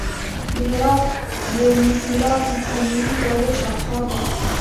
د هرات د موسیلا د تیموري دورې شاهکار دی